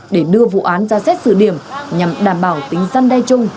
để đưa vụ án ra xét xử điểm nhằm đảm bảo tính dân đe chung